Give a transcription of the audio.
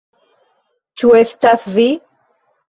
Ĉu estas vi?